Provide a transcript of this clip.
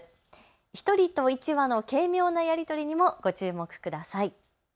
１人と１羽の軽妙なやり取りにもご注目ください。